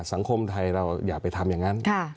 สังคมไทยเราอย่าไปทำอย่างนั้น